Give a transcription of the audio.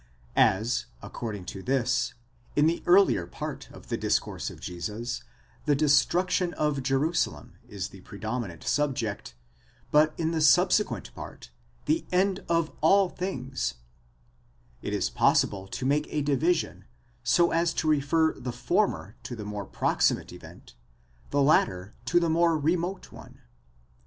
As, according to this, in the earlier part of the discourse of Jesus, the destruction of Jerusalem is the predominant subject, but in the subsequent part, the end of all things: it is possible to make a division, so as to refer the former to the more proximate event, the latter to the more remote one.